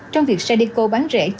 trong việc sadeco bán rẻ